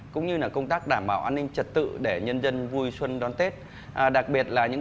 cũng như công tác đảm bảo an ninh trật tự để nhân dân vui sống